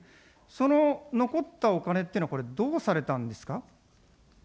その残ったお金っていうのは、これ、どうされたんですか。